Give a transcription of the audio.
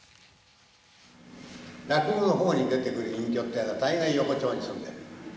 落語の方に出てくる隠居っていうのは大概横丁です。